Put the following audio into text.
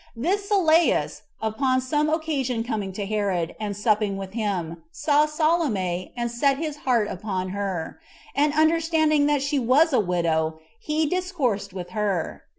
This Sylleus, upon some occasion coming to Herod, and supping with him, saw Salome, and set his heart upon her; and understanding that she was a widow, he discoursed with her.